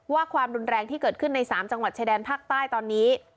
ความรุนแรงที่เกิดขึ้นใน๓จังหวัดชายแดนภาคใต้ตอนนี้